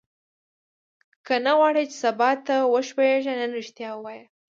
که نه غواړې چې سبا ته وښوېږې نن ریښتیا ووایه.